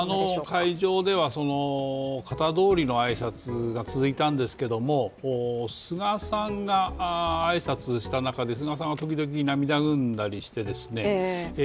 会場では、型どおりの挨拶が続いたんですけれども、菅さんが挨拶した中で、菅さんは時々涙ぐんだりしてですね